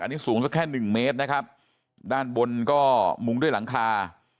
อันนี้สูงสักแค่หนึ่งเมตรนะครับด้านบนก็มุงด้วยหลังคา